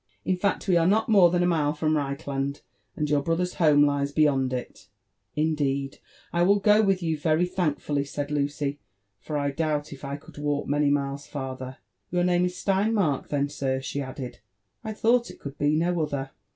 In fact, we are not more than a mile from Retchland, and your brother's home lies be yond it." JONATHAN JBPFBRSON WOtrLAW. 191 Indeed I will go with you very thankfully," said Lucy, ' for I doubt if I could walk many miles farther. — Your name is Steinmark, then, sir ?" she added :*• I thought it could be no olher.''